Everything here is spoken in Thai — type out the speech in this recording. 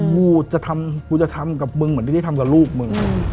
กูจะทำกูจะทำกับมึงเหมือนที่ได้ทำกับลูกมึง